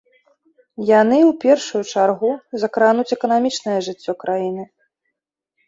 Яны, у першую чаргу, закрануць эканамічнае жыццё краіны.